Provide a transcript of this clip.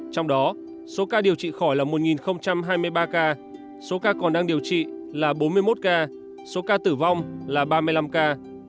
trong đó số ca điều trị khỏi là một hai mươi ba ca số ca còn đang điều trị là bốn mươi một ca số ca tử vong là ba mươi năm ca